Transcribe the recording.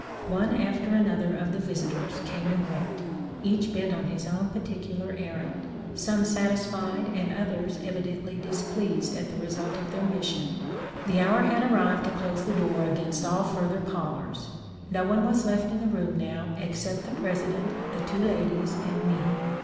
One after another of the visitors came and went, each bent on his own particular errand, some satisfied and others evidently displeased at the result of their 526 THS: LIFE OF LINCOLN: mission. The hour had arrived to close the door against all further callers. No one was left in the room now except the President, the two ladies, and me.